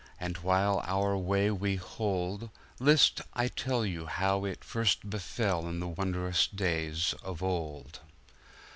And while our way we hold, List while I tell how it first befell In the wondrous days of old.